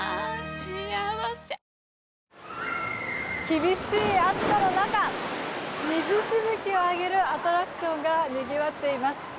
厳しい暑さの中水しぶきを上げるアトラクションがにぎわっています。